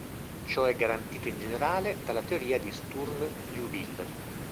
Ciò è garantito in generale dalla teoria di Sturm-Liouville.